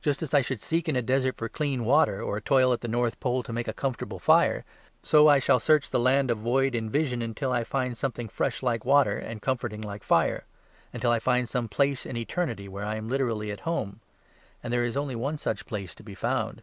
Just as I should seek in a desert for clean water, or toil at the North Pole to make a comfortable fire, so I shall search the land of void and vision until I find something fresh like water, and comforting like fire; until I find some place in eternity, where I am literally at home. And there is only one such place to be found.